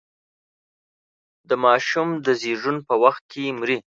د ماشوم د زېږون په وخت کې مري.